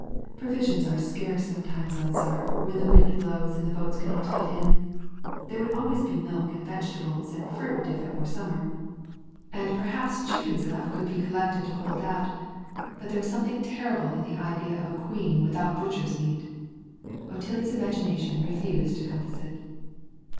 Provisions are scarce sometimes on Sark when the wind blows and the boats cannot get in. There would always be milk and vegetables and fruit if it were summer, and perhaps chickens enough could be collected to hold out; but there was something terrible in the idea of a queen without butcher's meat! Otillie's imagination refused to compass it!